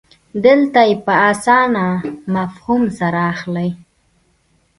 دلته یې په اسانه مفهوم سره اخلئ.